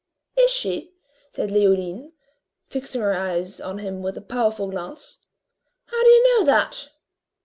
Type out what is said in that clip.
"Is she?" said Leoline, fixing her eyes on him with a powerful glance. "How do you know that?"